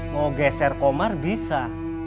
mau geser komar bisa